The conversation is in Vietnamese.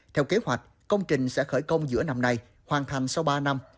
theo kế hoạch công trình sẽ khởi công giữa năm nay hoàn thành sau ba năm